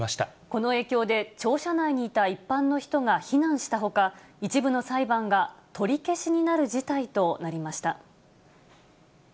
この影響で、庁舎内にいた一般の人が避難したほか、一部の裁判が取り消しになる事態となりました。